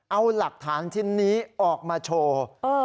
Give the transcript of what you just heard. เอาหลักฐานที่นี้ออกมาโชว์เออ